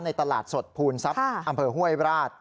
ตลาดสดภูมิทรัพย์อำเภอห้วยราช